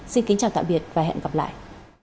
xin kính chào tạm biệt và hẹn gặp lại